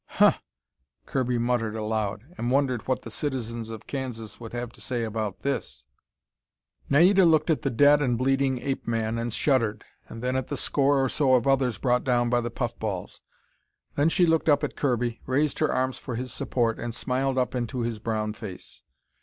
"Huh," Kirby muttered aloud, and wondered what the citizens of Kansas would have to say about this. Naida looked at the dead and bleeding ape man and shuddered, and then at the score or so of others brought down by the puff balls. Then she looked up at Kirby, raised her arms for his support, and smiled up into his brown face.